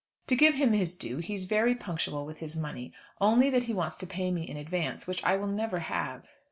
To give him his due, he's very punctual with his money, only that he wants to pay me in advance, which I will never have.